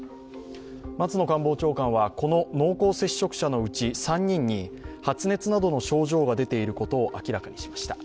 松野官房長官は、この濃厚接触者のうち３人に発熱などの症状が出ていることを明らかにしました。